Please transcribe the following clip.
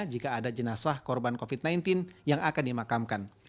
jika ada jenazah korban covid sembilan belas yang akan dimakamkan